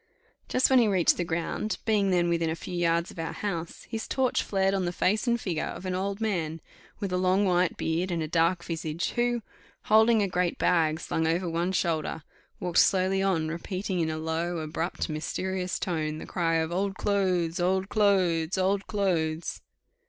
Just when he reached the ground, being then within a few yards of our house, his torch flared on the face and figure of an old man with a long white beard and a dark visage, who, holding a great bag slung over one shoulder, walked slowly on, repeating in a low, abrupt, mysterious tone, the cry of "Old clothes! Old clothes! Old clothes!"